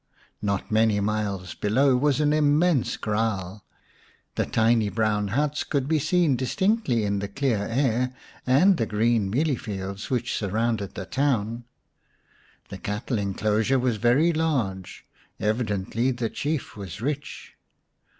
Not many miles below was an immense kraal; the tiny brown huts could be seen distinctly in the clear air, and the green mealie fields which surrounded the town. The cattle enclosure was very large ; evidently the Chief was rich.